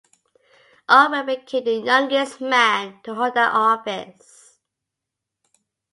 Allred became the youngest man to hold that office.